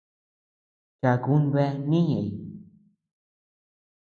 Chakun bea nïi ñëʼeñ.